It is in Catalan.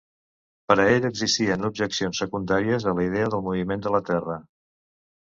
Per a ell existien objeccions secundàries a la idea del moviment de la Terra.